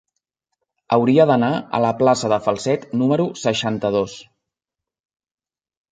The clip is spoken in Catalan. Hauria d'anar a la plaça de Falset número seixanta-dos.